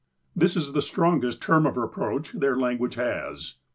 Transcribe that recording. " This is the strongest term of reproach their language has.